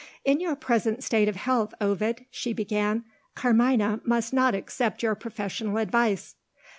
"In your present state of health, Ovid," she began, "Carmina must not accept your professional advice."